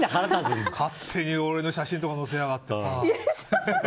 勝手に俺の写真とか載せやがってさ。